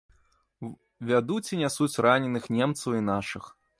Вядуць і нясуць раненых немцаў і нашых.